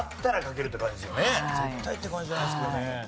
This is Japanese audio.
絶対って感じじゃないですけどね。